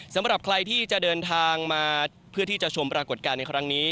สำหรับใครที่จะเดินทางมาเพื่อที่จะชมปรากฏการณ์ในครั้งนี้